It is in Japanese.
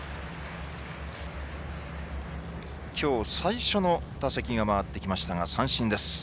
きょう最初の打順が回ってきましたけども三振です。